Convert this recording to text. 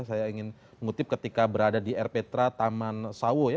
saya ingin mengutip ketika berada di rptra taman sawo ya